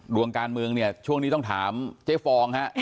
ดวงการเมืองเนี่ยช่วงนี้ต้องถามเจ๊ฟองฮะ